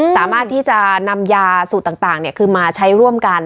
สามารถที่จะนำยาสูตรต่างคือมาใช้ร่วมกัน